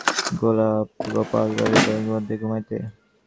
গোপাল তখন বাড়ির মধ্যে গেল ঘুমাইতে।